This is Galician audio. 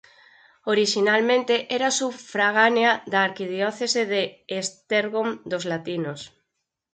Orixinalmente era sufragánea da arquidiocese de Esztergom dos latinos.